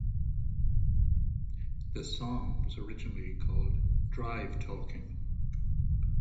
The song was originally called "Drive Talking".